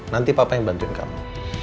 nanti papa yang bantuin kamu